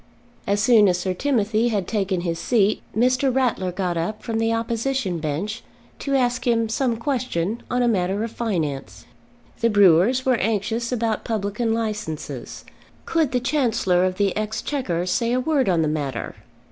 As soon as Sir Timothy had taken his seat, Mr. Rattler got up from the opposition bench to ask him some question on a matter of finance. The brewers were anxious about publican licences. Could the Chancellor of the Exchequer say a word on the matter?